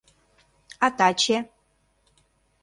А таче?